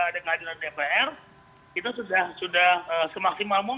dan juga ada kehadiran dpr